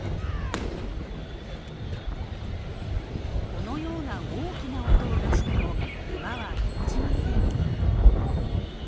このように大きな音を出しても馬は動じません。